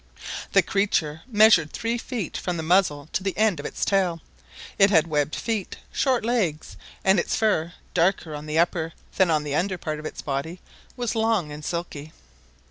The creature measured three feet from the muzzle to the end of its tail; it had webbed feet, short legs, and its fur, darker on the upper than on the under part of its body, was long and silky.